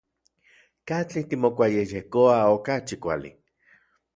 ¿Katli timokuayejkoua okachi kuali?